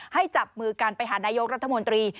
จับมือกันไปหานายกรัฐมนตรี